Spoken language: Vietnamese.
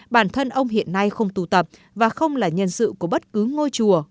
bản thân ông hiện nay không tụ tập và không là nhân sự của bất cứ ngôi chùa